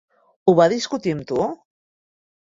Ho va discutir amb tu?